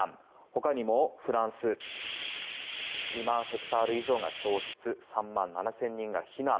他にもフランス２万ヘクタール以上が焼失３万７０００人が避難。